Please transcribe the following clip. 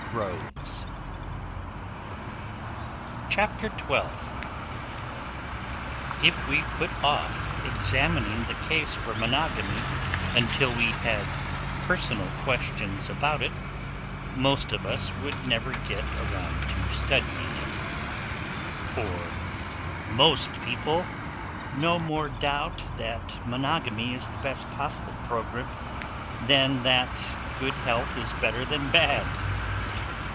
Groves_ CHAPTER TWELVE The Case for Monogamy If we put off examining the case for monogamy until we had personal questions about it, most of us would never get around to studying it. For most people no more doubt that monogamy is the best possible program than that good health is better than bad.